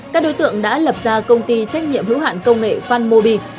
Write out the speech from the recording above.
các đối tượng đã lập ra công ty trách nhiệm hữu hạn công nghệ phanmobi